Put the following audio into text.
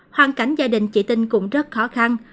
hoàn cảnh gia đình chị tinh cũng rất khó khăn